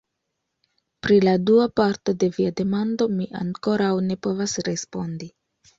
Pri la dua parto de via demando mi ankoraŭ ne povas respondi.